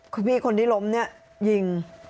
คุณพี่คนที่ล้มเนี่ยยิง